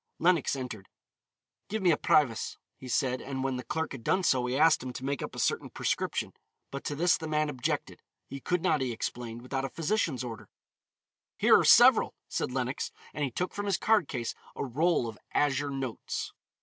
Lenox entered. "Give me a Privas," he said, and when the clerk had done so, he asked him to make up a certain prescription. But to this the man objected; he could not, he explained, without a physician's order. "Here are several," said Lenox, and he took from his card case a roll of azure notes.